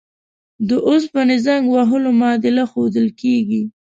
د اوسپنې زنګ وهلو معادله ښودل کیږي.